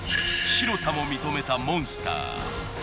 白田も認めたモンスター。